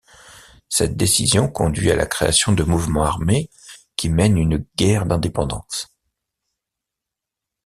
Cette décision conduit à la création de mouvements armés qui mènent une guerre d'indépendance.